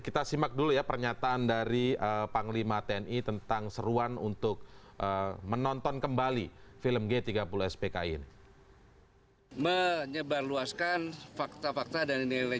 kita simak dulu ya pernyataan dari panglima tni tentang seruan untuk menonton kembali film g tiga puluh spki ini